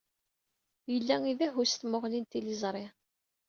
Yella idehhu s tmuɣli n tliẓri.